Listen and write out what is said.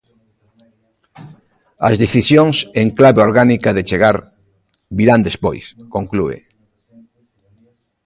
As decisións en clave orgánica, de chegar, virán despois, conclúe.